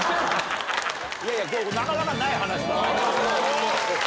いやいやなかなかない話だわな。